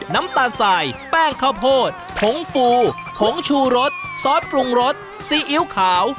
น้ำตาลสายแป้งข้าวโพดผงฟูผงชูรสซอสปรุงรสซีอิ๊วขาว